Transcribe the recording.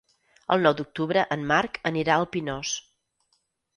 El nou d'octubre en Marc anirà al Pinós.